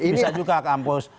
bisa juga kampus